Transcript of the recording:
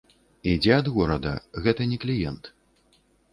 Ідзе ад горада, гэта не кліент.